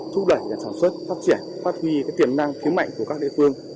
thúc đẩy và sản xuất phát triển phát huy tiềm năng thiếu mạnh của các địa phương